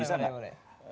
boleh boleh boleh